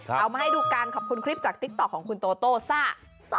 เอามาให้ดูกันขอบคุณคลิปจากติ๊กต๊อกของคุณโตโต้ซ่า